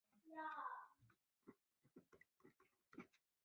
其后属于李茂贞。